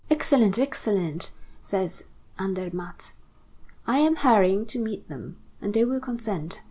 "Excellent, excellent," said Andermatt. "I am hurrying to meet them. And they will consent.